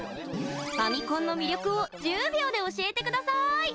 ファミコンの魅力を１０秒で教えてください！